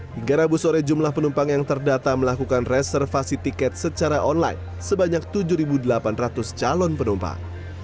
hingga rabu sore jumlah penumpang yang terdata melakukan reservasi tiket secara online sebanyak tujuh delapan ratus calon penumpang